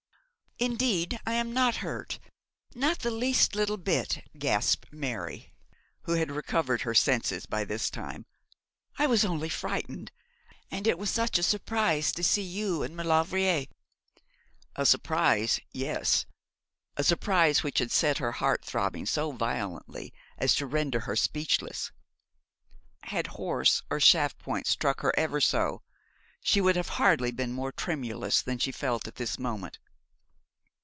'Indeed, I am not hurt; not the least little bit,' gasped Mary, who had recovered her senses by this time. 'I was only frightened, and it was such a surprise to see you and Maulevrier.' A surprise yes a surprise which had set her heart throbbing so violently as to render her speechless. Had horse or shaft point struck her ever so, she would have hardly been more tremulous than she felt at this moment.